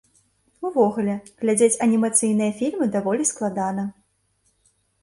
Увогуле, глядзець анімацыйныя фільмы даволі складана.